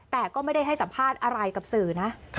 แต่ก็ไม่ได้ให้สัมภาษณ์อะไรกับสื่อนะ